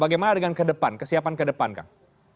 bagaimana dengan ke depan kesiapan ke depan kang